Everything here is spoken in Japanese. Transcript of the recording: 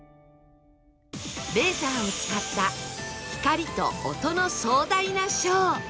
レーザーを使った光と音の壮大なショー